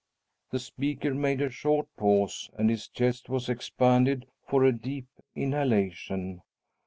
The speaker made a short pause, and his chest was expanded for a deep inhalation.